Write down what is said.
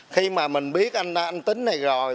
khi mà mình biết anh tính này rồi